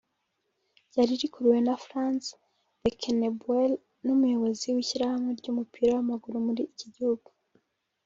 ryari rikuriwe na Franz Beckenbauer n’umuyobozi w’ishyirahamwe ry’umupira w’amaguru muri iki gihugu